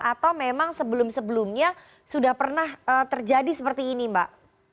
atau memang sebelum sebelumnya sudah pernah terjadi seperti ini mbak